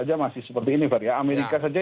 aja masih seperti ini verdi ya amerika saja